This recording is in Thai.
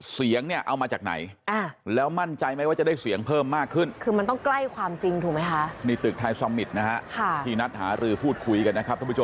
เสียงเอามาจากไหนแล้วมั่นใจไหมว่าจะได้เสียงเพิ่มมากขึ้น